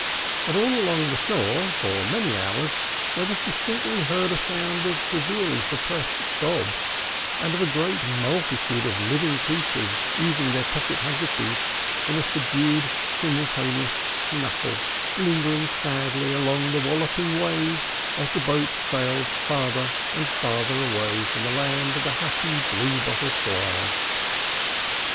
But all along the shore, for many hours, there was distinctly heard a sound of severely suppressed sobs, and of a vague multitude of living creatures using their pocket handkerchiefs in a subdued simultaneous snuffle, lingering sadly along the walloping waves as the boat sailed farther and farther away from the Land of the Happy Blue Bottle Flies.